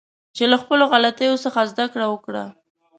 چې له خپلو غلطیو څخه زده کړه وکړه